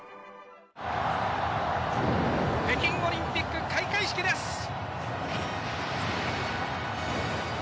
北京オリンピック開会式です！